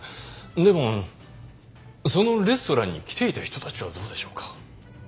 でもそのレストランに来ていた人たちはどうでしょうか？